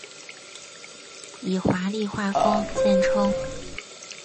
以华丽画风见称。